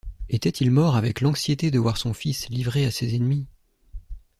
Était-il mort avec l’anxiété de voir son fils livré à ses ennemis?